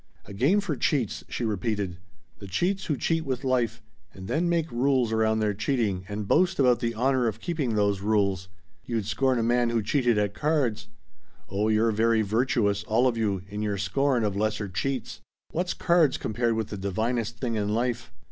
"A game for cheats," she repeated. "The cheats who cheat with life and then make rules around their cheating and boast about the 'honor' of keeping those rules. You'd scorn a man who cheated at cards. Oh you're very virtuous all of you in your scorn of lesser cheats. What's cards compared with the divinest thing in life!"